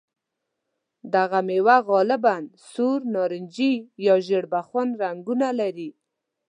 دغه مېوه غالباً سور، نارنجي یا ژېړ بخن رنګونه لري.